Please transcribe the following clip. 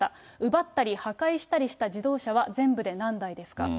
奪ったり、破壊したりした自動車は全部で何台ですか。